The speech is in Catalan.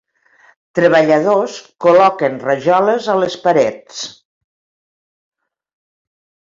Treballadors col·loquen rajoles a les parets.